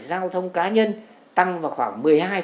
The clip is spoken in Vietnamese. giao thông cá nhân tăng vào khoảng